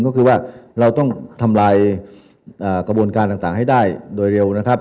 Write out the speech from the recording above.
ก็คือว่าเราต้องทำลายกระบวนการต่างให้ได้โดยเร็วนะครับ